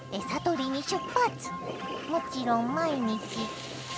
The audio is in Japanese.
もちろん毎日。